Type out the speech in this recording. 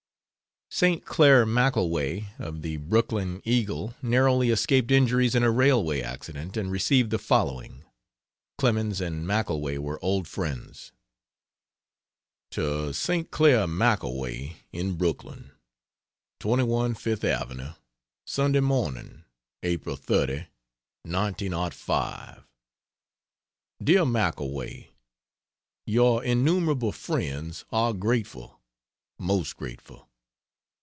St. Clair McKelway, of The Brooklyn Eagle, narrowly escaped injuries in a railway accident, and received the following. Clemens and McKelway were old friends. To St. Clair McKelway, in Brooklyn: 21 FIFTH AVE. Sunday Morning. April 30, 1905. DEAR McKELWAY, Your innumerable friends are grateful, most grateful.